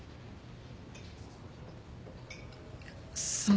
その。